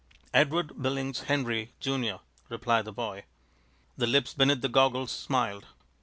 "Edward Billings Henry, Junior," replied the boy. The lips beneath the goggles smiled.